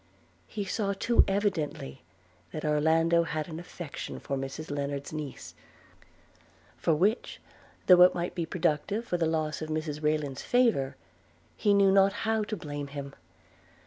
He saw too evidently that Orlando had an affection for Mrs Lennard's niece; for which, though it might be productive of the loss of Mrs Rayland's favour, he knew not how to blame him.